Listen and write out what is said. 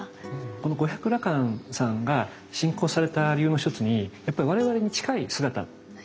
この五百羅漢さんが信仰された理由の一つにやっぱり我々に近い姿ということですよね。